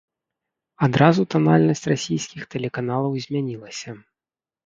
Адразу танальнасць расійскіх тэлеканалаў змянілася.